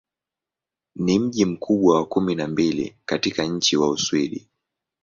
Ni mji mkubwa wa kumi na mbili katika nchi wa Uswidi.